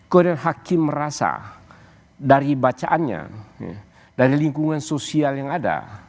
kemudian hakim merasa dari bacaannya dari lingkungan sosial yang ada